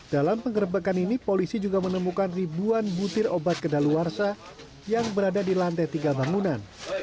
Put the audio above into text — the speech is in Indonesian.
dalam penggerbekan ini polisi juga menemukan ribuan butir obat kedaluarsa yang berada di lantai tiga bangunan